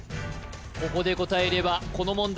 ここで答えればこの問題